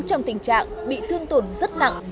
trong tình trạng bị thương tổn rất nặng